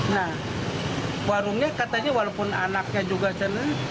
jadi warungnya katanya walaupun anaknya juga senang